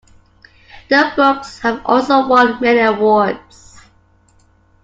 The books have also won many awards.